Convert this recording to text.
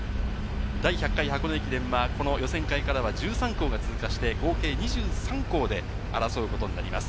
第１００回箱根駅伝は、この予選会からは１３校が通算して合計２３校で争うことになります。